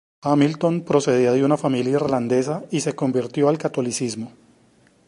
Hamilton procedía de una familia irlandesa y se convirtió al Catolicismo.